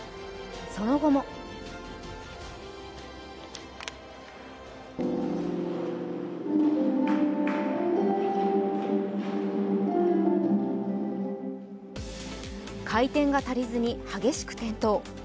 その後も回転が足りずに激しく転倒。